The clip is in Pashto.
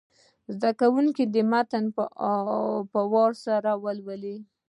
زده کوونکي دې متن په وار سره ولولي.